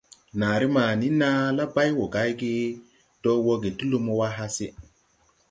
Naaré ma ni naa la bay wo gay ge do woge ti lumo wa hase.